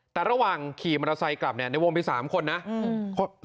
แต่ระหว่างขี่มอเตอร์ไซค์กลับเนี่ยในวงมี๓คนนะอืม